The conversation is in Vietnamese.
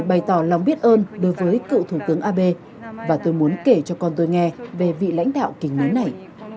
bày tỏ lòng biết ơn đối với cựu thủ tướng abe và tôi muốn kể cho con tôi nghe về vị lãnh đạo kính này